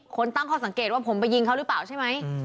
คนตั้งข้อสังเกตว่าผมไปยิงเขาหรือเปล่าใช่ไหม